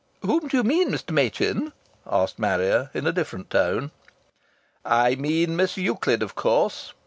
"Whom do you mean, Mr. Machin?" asked Marrier in a different tone. "I mean Miss Euclid of course.